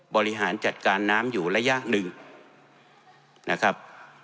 บริหารจัดการน้ำอยู่ระยะหนึ่งนะครับ